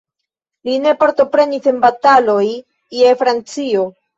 Li ne partoprenis en bataloj je Francio.